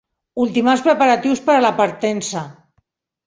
Ultimar els preparatius per a la partença.